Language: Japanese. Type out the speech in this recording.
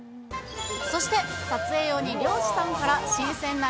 そして、撮影用に漁師さんかあー！